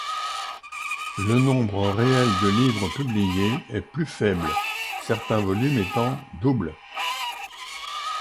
Le nombre réel de livres publiés est plus faible, certains volumes étant doubles.